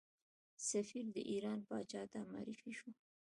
سفیر د ایران پاچا ته معرفي شو.